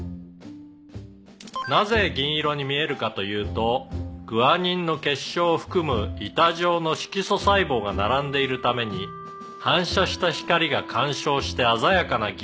「なぜ銀色に見えるかというとグアニンの結晶を含む板状の色素細胞が並んでいるために反射した光が干渉して鮮やかな銀色に見えるんです」